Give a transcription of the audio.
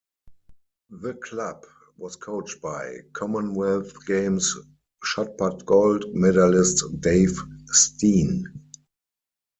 The club was coached by Commonwealth Games shot put gold medalist Dave Steen.